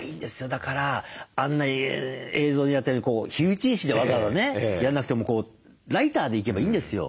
だからあんな映像でやったように火打ち石でわざわざねやんなくてもこうライターでいけばいいんですよ。